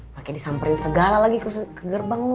makanya disamperin segala lagi ke gerbangmu